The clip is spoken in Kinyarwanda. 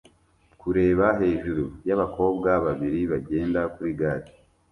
Kureba hejuru yabakobwa babiri bagenda kuri gare